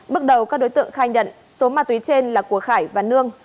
bước đầu các đối tượng khai nhận số ma túy trên là của khải và nương